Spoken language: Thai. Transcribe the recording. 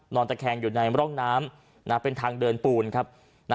นอนแต่แข็งอยู่ในร่องน้ำเป็นทางเดินปูน